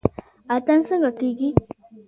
اتن څنګه کیږي؟